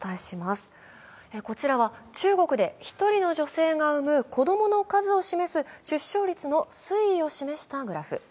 こちらは中国で１人の女性が産む子供の数を示す出生率の推移を示したグラフ。